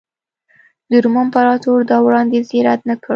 د روم امپراتور دا وړاندیز یې رد نه کړ